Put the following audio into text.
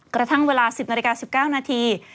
กระทั่งเวลา๑๐นาฬิกา๑๙นาที